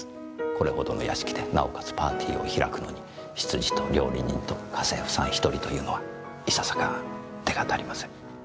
これほどの屋敷でなおかつパーティーを開くのに執事と料理人と家政婦さん１人というのはいささか手が足りません。